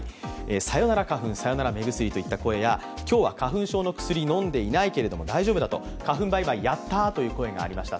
さよなら花粉、さよなら目薬といった声や今日は花粉症の薬飲んでいないけれども大丈夫だと、花粉バイバイ、やったーという声もありました。